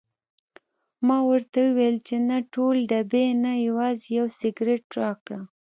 ما ورته وویل چې نه ټول ډبې نه، یوازې یو سګرټ راکړه.